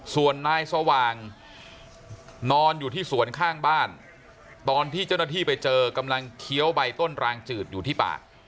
ส่วนนายสว่างนอนอยู่ที่สวนข้างบ้านตอนที่เจ้าหน้าที่ไปเจอกำลังเคี้ยวใบต้นรางจืดอยู่ที่ปาก